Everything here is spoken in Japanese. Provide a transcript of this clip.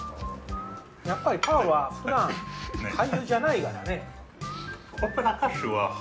やっぱりパウロは普段俳優じゃないからね。